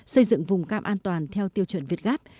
xây dựng vùng cam an toàn theo tiêu chuẩn việt gáp